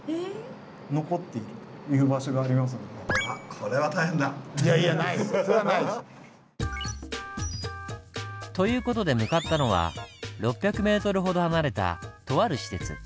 これは大変だ！という事で向かったのは６００ｍほど離れたとある施設。